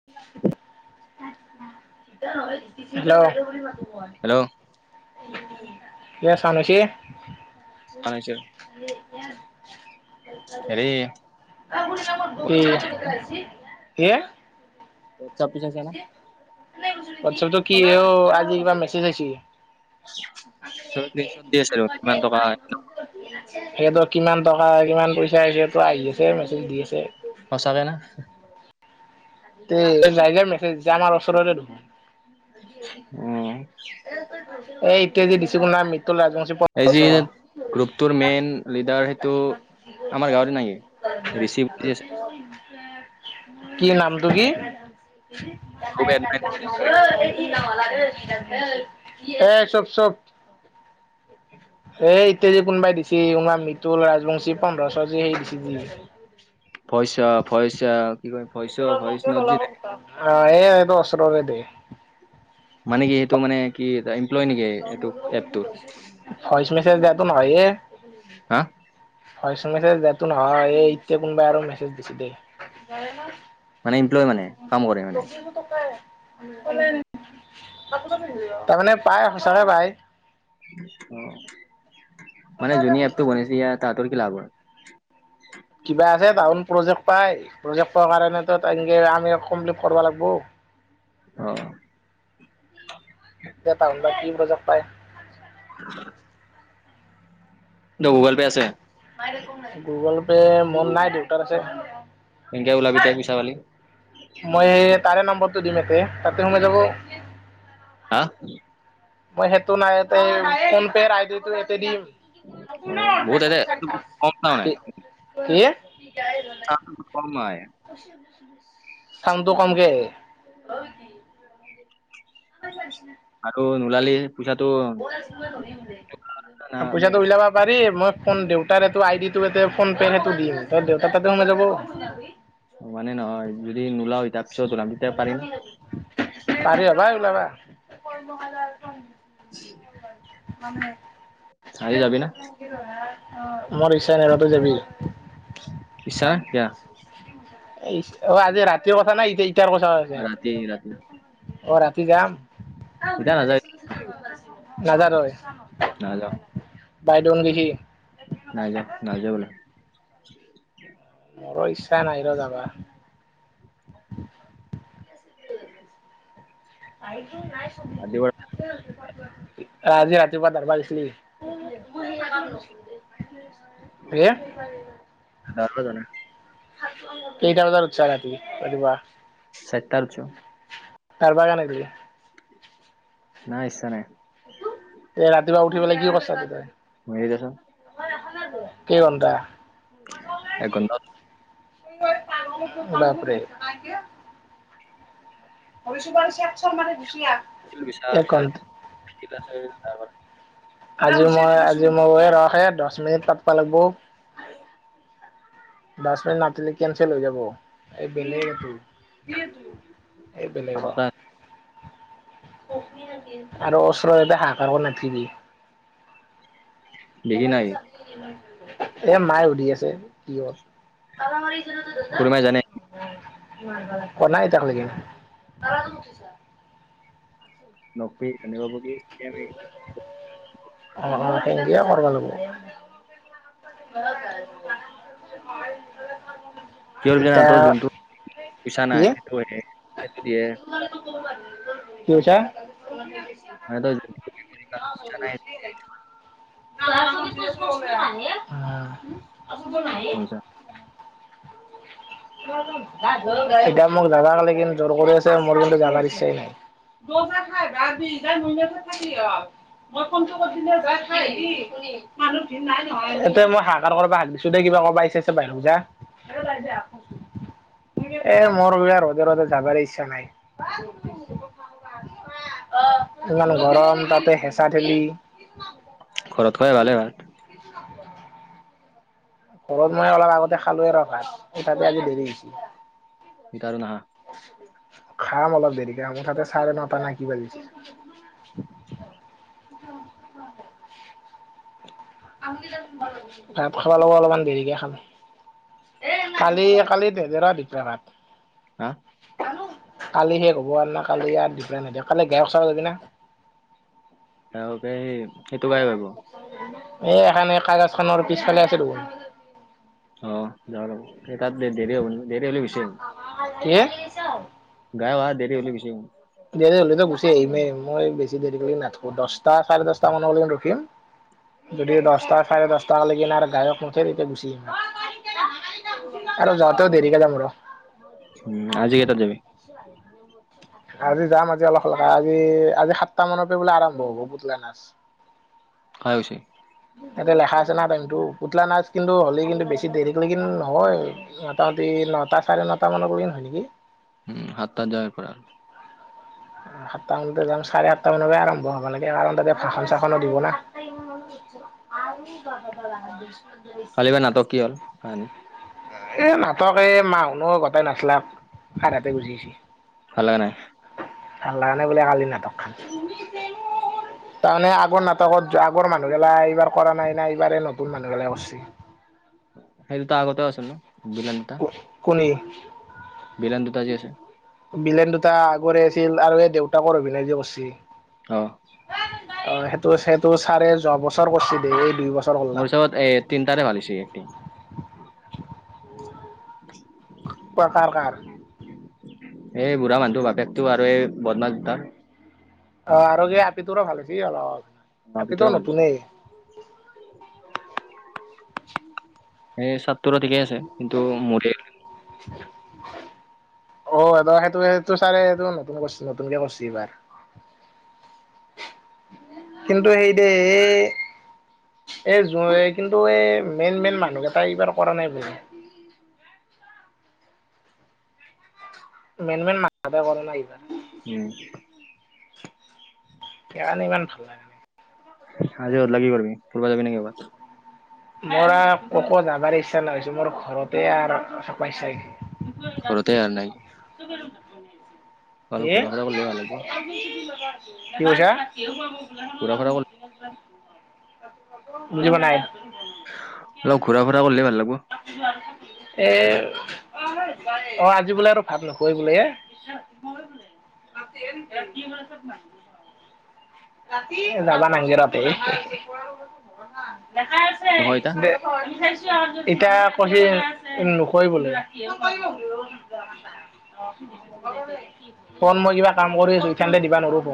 [unintelligible] Hello hello কে চানুচি হয়ছে। হেৰি উম ইয়াৰ। কি, কি? হোৱাটছএপ টো চাইছা না? হোৱাটছআপ তো কি, অ', আজি কিবা মেছেজ আহছি। স্ক্ৰীনশ্বট দি [unintelligible] আছিলো কিমান টকা সিহঁতৰ কিমান টকা, কিমান পইচা, তটো আহি আছে মেছেজ দি আছে। সঁচাকে না? তে, যাই যাই মেছেজ দিচি, আমাৰ ওচৰৰে দেখুন। উম, এ, এতিয়া যে দিচি কোনবা মৃতুল ৰাজবংশী এই, যি, গ্ৰুপটোৰ মেইন লিডাৰ, সেইটো আমাৰ গাঁৱৰ না কি? [inaudible] [unintelligible] কি? নামটো কি? খুব এডমাই [unintelligible] এ, চুপ, চুপ। এ, ইট্টে যি, কোনোবাই দিচি, কোনবা মিতুল ৰাজবংশী পোন্ধৰ শ, যি, সেই দিছি যি পইচা ফইচা কিবা ক আহ, এ, এইটো ওচৰৰে দে। মানে কি, সেইটো মানে, কি এটা এমপ্লয় নেকি এইটো এপটোৰ। ভইচ মেছেজ দিয়াটো নহয় এ। হা। ভইচ মেছেজ দিয়াটো নহয়। এই ইটতে কোনবাই আৰু মেছেজ দিছে দে। [unintelligible] মানে, ইমপ্লয় মানে, কাম কৰে মানে। তাৰমানে পায়, সঁচাকে পায়। অ', মানে যোনি এপটো বনাইছি, ইয়াত তাহাঁতৰ কি লাভ হয়? কিবা আছে, তাহোন প্ৰজেক্ট পায়, প্ৰজেক্ট প কাৰণেতো তেনকে আমি কমপ্লিট কৰবা লাগবো। অ'। ইটা তাহুন বা কি প্ৰজেক্ট পায়? [inaudible] গুগল পে' আছে। গুগল পে মোৰ নাই, দেউতাৰ আছে। কেনকে উলাবি তে, পইচা পালি? মই এই তাৰে নম্বৰটো দিম এতে, তাতে সুমে যাব। হা। মই সেইটো নাই, এতে ফোন পেৰ আইডিটো এতে দিম। অ' বহুত এতে কম পাও কি, কি? ছাউণ্ডটো চুন কম আহে। ছাউণ্ডটো কমকে আহে। [inaudible] আৰু নোলালি পইচাটো না পইচা চা উইলাবা পাৰিম, মই ফোন দেউতাৰ এইটো আইডিটো এতে ফোন পে' সেটো দিম, ত' দেউতাৰ তাতে সোমে যাব। মানে, নহয় যদি নোলাও ইতা পাৰি হবাই ওলাবা। [inaudible] আজি যাবি না? [inaudible] মই ৰিচ্ছা [inaudible] যাবি। ইচ্ছা নাই কিয়া [inaudible] অ আজি ৰাতিৰ কথা না [inaudible] [inaudible] অ ৰাতি ৰাতি ৰাতি যাম। এতিয়া নাযায় নাজাৰয়। না য। বাই দউন গৈছি। নাই যোৱা নাই যোৱা বোলে। মোৰো ইচ্ছা নাই ৰ যাবা। [inaudible] [inaudible] [unintelligible] ৰাজি ৰাজতিুৱ দৰবা গছিলি। [unintelligible] [unintelligible] জানে। কেইটা বাজাত উৎচা ৰাতি ৰাতিপুৱা। চাইতাত উৎচু। তাৰবা কিয় নেদিলে। নাই ইচ্ছা নাই। তে ৰাতিপুৱা উঠি পেলাই কি কৰ্‌ছা তে তই। [unintelligible] [inaudible] কেই ঘন্টা। একঘন্টাত। [unintelligible] বাপৰে। [unintelligible] এক ঘণ্টা [unintelligible] আজি মই আজি মই ৰখহে দহ মিনিট পাত্‌ব লাগ্‌বো। দচ মিনিট নাপাতিলে কেনচেল হৈ যাব এই বেলেগ। [inaudible] এই বেলেগ অ'। তাৰপৰা আৰো ওচৰত এতে হাহাকাৰ কৰি নাথাকিবি। দেখি নাই [inaudible] এ মায়ে সুধি আছে, কি হল। খুৰী মাই জানে [unintelligible] [inaudible] কোৱা নাই ইটাক লগি। [unintelligible] অ'-অ' সেন্ধিয়ে কৰ্‌বা লাগ্‌বো। [unintelligible] কিয় এতিয়া [unintelligible] যোনটোত ইচ্ছা কি নাই সেইটো সেইটো দিয়ে। [inaudible] কি কৈছা। [inaudible] মানে ত‌ই। [inaudible] [inaudible] [unintelligible] [unintelligible] এতিয়া মোক জাবাক লাগিন জোৰ কৰি আছে মোৰ কিন্তু যাবাৰ ইচ্ছাই নাই। [unintelligible] [unintelligible] [inaudible] এতে মই হাহাকাৰ কৰবা হাক দিছো দেই কিবা কবা আইচা আইচা বাহিৰক যা। এ মোৰ এইবিলাক ৰ'দে ৰ'দে যাবাৰে ইচ্ছা নাই। [unintelligible] ইমান গৰম তাতে হেঁচা ঠেলি। ঘৰত খোৱাই ভালে ভাত। [inaudible] ঘৰত মই অলপ আগতে খালো আৰু ভাত তাতে আজি দেৰি এতিয়া আৰু নাহা হৈছে। খাম অলপ দেৰিকে, মোৰ তাতে চাৰে নটা নাই কি বাজিছে। [inaudible] [unintelligible] ভাত খাবা লাগে অলপমান দেৰিকে খাম। কালি কালি বেজেৰা দিছে ভাত। হা। কালি শেষ হ'ব না কালি ইয়াত দিছে নেদেখালে বেয়া কথা হৈ যাবি না? তেঁওলোকে সেই সেইটো গাই ভাবিব এই এখানি কাগাজ খনৰ পিছফালে আছে দেখোন। অ যাওঁ ৰব সেই তাত যে হব নেকি, দেৰি হলে গুচি আহিম। কি গা ভাই দেৰি হলে গুচি আহিম। দেৰি হ'লেতো গুচি আহিমেই মই বেছি দেৰি কৰি নাথাকো দহটা চাৰে দহটা মানক লৈকে ৰখিম। যদি দছটা চাৰে দছটা লাগিন আৰ‌ গায়ক নুঠে তেতিয়া গুচি আহম। আৰু যাওঁতেও দেৰিকে যাম ৰ। উম আজ কেটায়া যাবি? [unintelligible] আজি যাম আজি অলপ অ আজি আজি সাতটা মানৰ পৰা বোলে আৰম্ভ হব পুতলা নাচ। হয় হৈছে। তাতে লখা আছে না টাইম টো পুতলা নাচ কিন্তু হ'লে কিন্তু বেছি দেৰি কৰিলে কিন্তু নহয়। মোটামুটি নটা চাৰে নটামানৰ পৰিণ হয় নেকি। উম হাতা যায় পৰা। সাতটা মানতে যাম চাৰে আঠটা মানৰ পৰাই আৰম্ভ হব লাগে, কাৰণ তাতে ভাষন চাাসনো দিব না। [unintelligible] খালিব নাতক কি হল কাহানী? এ নাটক এই মাহুনো গোটাই নাচলাক আৰ হাতে গুচি আহছে। ভালাগা নাই। ভাল লাগা নাই বোলে কালি নাটক খান। তাৰমানে আগৰ নাটকত যোৱা আগৰ মানুহগিলা এইবাৰ কৰা নাই নাই এইবাৰ নতুন মানুহবিলাই কৰিছে। শিল্পা আগতে আগতে আছে নো। কু কনী। বিৰন দুটা যি আছে। বিলেন দুটা আগৰে আছিল আৰু এই দেউতাকৰ অভিনয় যে কৰছি। অ। অ সেইটো সেইটো চাৰে যোৱা বছৰ কৰিছিল এই দুই বছৰ কৰলা মোৰ হিচাবত এই তিটাৰে ভাল হৈছে এক্টিং। ক কাৰ কাৰ এই বুঢ়া মানুহ বাপেকতটো আৰু এই বদমা দুতাৰ। অ আৰু এই আপিটো ভাল হৈছে অলপ, আপিতো ভিতৰৰ ভাল হৈছে নতুনেই। এই চট তো ঠিকেই আছে, কিন্তু মোৰে [inaudible] অ আদা সেইটো সেইটো চাৰে এইটো নতুন কৰছি নতুনকে কৰছি এইবাৰ। কিন্তু, সেই দে, এই, এ, [unintelligible] কিন্তু এই, মেইন-মেইন মানুহকেইটা, এইবাৰ কৰা নাই বোলে। মেইন-মেইন [unintelligible] উম। সেইকাৰণে, ইমান ভাল লাগে। আজি [unintelligible] কৰিবি, ফুৰিব যাবি নি ক'ৰবাত? মোৰ আৰু ক'তো যাবৰ ইচ্ছা নহৈছে। মোৰ, ঘৰতে আৰু [unintelligible] [unintelligible] ঘৰতে আৰু নাই [unintelligible] কি অলপ ঘূৰা ফুৰা কৰিলে ভাল লাগব কৈছা? ঘূৰা ফুৰা অলপ [unintelligible] অলপ, ঘূৰা-ফুৰা কৰিলে, ভাল লাগব। [unintelligible] এ, অ'! আজি বোলে আৰু ভাত নোখোৱাই বোলে, এ? [unintelligible] [unintelligible] [unintelligible] এতিয়া, নহয় ইতা কৈছে যে নকৰিবলে। [unintelligible] ফোন মই কিবা, কাম কৰি আছোঁ। কাইলে দিব নোৱাৰোঁ ক'।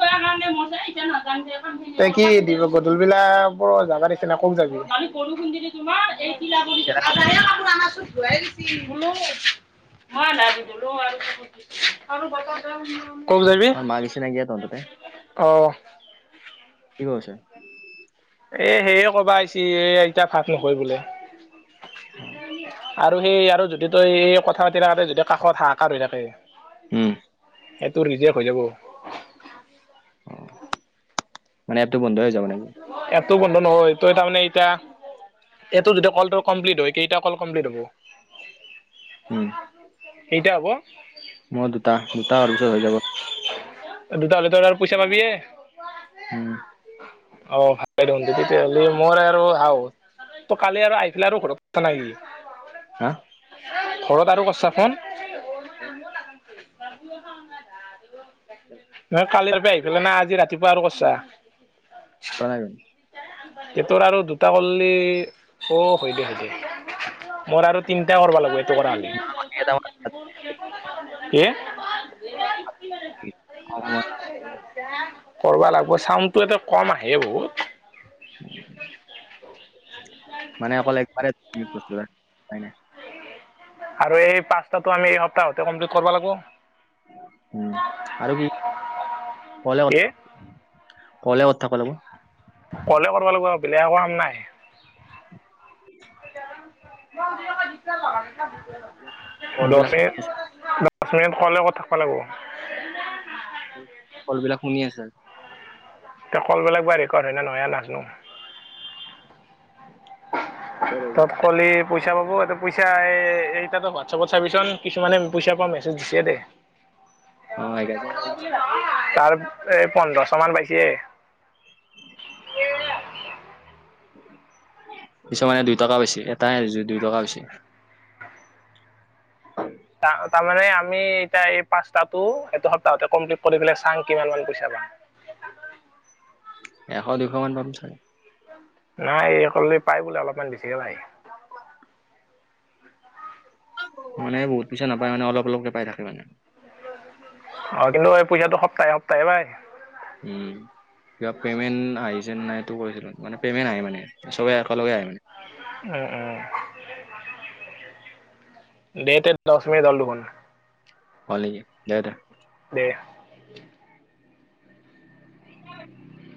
[unintelligible] তেনে ক'ত যাবি? [unintelligible] [unintelligible] [unintelligible] ক'ত যাবি? বাকী, চিনাকি [unintelligible] অ'! কি কৰিছে? এ, সেয়ে ক'ৰবা আহিছি, এতিয়া ভাত নাখায় বোলে৷ আৰু সেই, আৰু যদি তই, এই কথা পাতি থাকোঁতে, যদি কাষত, হাহাঁকাৰ হৈ থাকে। উম। সেইটো নিজে হৈ যাব৷ উম, মানে এপটো বন্ধ হৈ যাব নেকি? এপটো বন্ধ নহয়, তই তাৰমানে এতিয়া, এইটো যদি কলটো কমপ্লিট হয়, কেইটা কল কমপ্লিট হ'ব? উম, কেইটা হ'ব মোৰ দুটা, দুটা হোৱাৰ পিছত, হৈ যাব৷ দুটা হ'লেটো আৰু পইচা পাবিয়ে? উম। অ'! ভালপাই দেখোন। তেতিয়াহ'লে, মোৰ আৰু [unintelligible] তই কালি আৰু আহি পেলে আৰু ঘৰত থাকা নাই, নেকি? হা? ঘৰত আৰু [unintelligible] নহয়, কালিৰ পৰা আহি পেলে, না আজি ৰাতিপুৱা আৰু কৰিছা? [unintelligible] তোৰ আৰু দুটা কৰলি, অ'! হৈ যাব, দিয়া। মোৰ আৰু তিনটা ক'ৰব লাগব, এইটো কৰা হ'লে৷ [unintelligible] [unintelligible] কৰবা লাগিব, চাউণ্ডটো এটে কম আহে বহুত৷ [inaudible] মানে অকল একবাৰে উপায় নাই। আৰু এই পাঁচটাটো আমি এসপ্তাহতে কমপ্লিট কৰিব লাগব৷ উম' আৰু কি? কলে কি অট- কলে অতথ কলেব। কলে কৰবা লাগিব আৰু বেলেগ একো কাম নাই৷ [inaudible] কল [unintelligible] দচ বিলাক শুনি মিনিট কলে কত থাকিব লাগব? কল বিলাক শুনি আছে৷ ইতা কলবিলাক বা ৰেকৰ্ড হয় না নহয় আ নাজনো৷ [inaudible] তত কলি- পইচা পাব, এতে পইচা এ এই এতে তোৰ হোৱাটছআপত চাবিচোন কিছুমানে পইচা পোৱা মেছেজ দিছে দেই৷ অ' একহাজাৰ দিছে। তাৰ এ পোন্ধৰশ মান পাইছে। [inaudible] কিছুমানে দুই টকা পাইছে, এটাই দুই টকা পাইছে৷ [inaudible] তা তাৰমানে আমি এতিয়া এই- পাঁচটাটো, এটো সপ্তাহতে কমপ্লিট কৰি পেলাই চাং কিমান মান পইচা পাওঁ৷ এশ দুশ মান পাম চাগে৷ নাই এই কৰলি পাই বোলে অলপমান বেছিকে পায়৷ মানে বহুত পইচা নাপায় মানে অলপ অলপ পাই থাকে মানে৷ অ' কিন্তু এই পইচাটো সপ্তাহে সপ্তাহে পাই। উম' কিবা পেমেণ্ট আহিছে নাই এটো কৈছিলো, মানে পেমেণ্ট আহে মানে চবে একেলগে আহে মানে। অঁ অঁ' দেট এন্ড টাস্ক দাল দুখন। হল নেকি দে দে। দে।